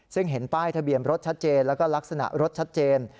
ซึ่งเห็นป้ายทะเบียนรถชัดเจนแล้วก็ลักษณะรถชัดเจน